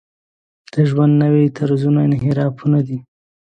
د ژوند نوي طرزونه انحرافونه دي.